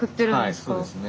はいそうですね。